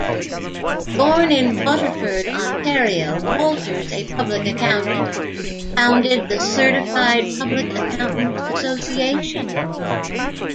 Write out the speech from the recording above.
Born in Waterford, Ontario, Walters, a public accountant, founded the Certified Public Accountants' Association.